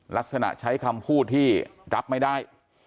ลักษณะใช้คำพูดที่รับไม่ได้